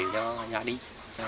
cho gia đình